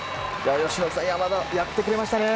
由伸さん、山田やってくれましたね。